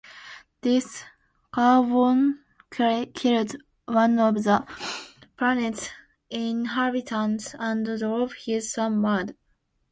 This cyborg killed one of the planet's inhabitants and drove his son mad.